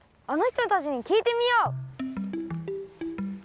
あのひとたちにきいてみよう。